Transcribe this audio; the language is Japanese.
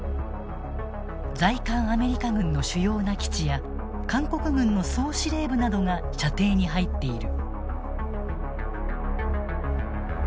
在韓アメリカ軍の主要な基地や韓国軍の総司令部などが射程に入っている。